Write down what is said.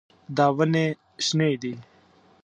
دا ونې شنې دي.